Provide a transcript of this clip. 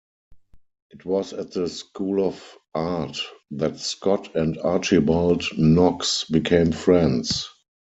It was at the school of art that Scott and Archibald Knox became friends.